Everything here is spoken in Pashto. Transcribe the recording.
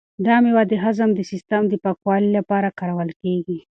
دا مېوه د هضم د سیسټم د پاکوالي لپاره کارول کیږي.